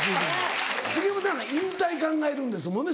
杉山さんなんか引退考えるんですもんね